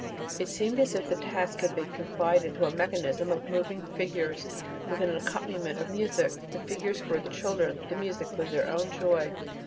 It seemed as if the task had been confided to a mechanism of moving figures, with an accompaniment of music: the figures were the children, the music was their own joy.